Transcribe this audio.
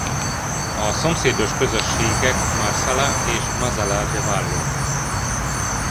A szomszédos közösségek Marsala és Mazara del Vallo.